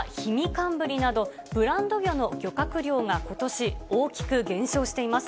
寒ぶりなど、ブランド魚の漁獲量がことし、大きく減少しています。